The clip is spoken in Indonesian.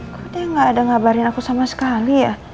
kok dia gak ada ngabarin aku sama sekali ya